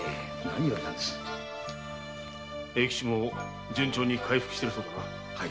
永吉も順調に回復してるそうだな。